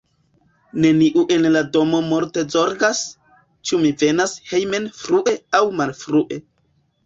Neniu en la domo multe zorgas, ĉu mi venas hejmen frue aŭ malfrue.